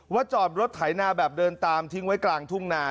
จอดรถไถนาแบบเดินตามทิ้งไว้กลางทุ่งนา